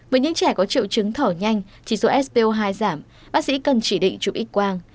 với những trẻ có triệu chứng thỏ nhanh chỉ số so hai giảm bác sĩ cần chỉ định chụp x quang